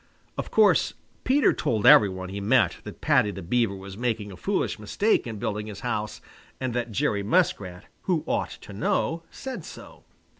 Of course Peter told every one he met that Paddy the Beaver was making a foolish mistake in building his house, and that Jerry Muskrat, who ought to know, said so.